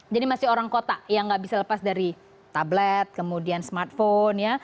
jadi masih orang kota yang nggak bisa lepas dari tablet kemudian smartphone ya